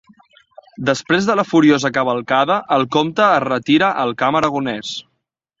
Després de la furiosa cavalcada, el comte es retira al camp aragonès.